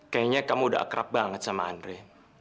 kayaknya kamu udah akrab banget sama andre